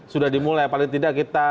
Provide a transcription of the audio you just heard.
sudah dimulai paling tidak kita